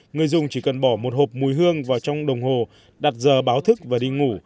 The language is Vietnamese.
người dùng chỉ cần bỏ một hộp mùi hương vào trong đồng hồ đặt giờ báo thức và đi ngủ